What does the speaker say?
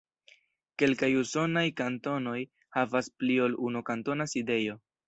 Kelkaj usonaj kantonoj havas pli ol unu kantona sidejo.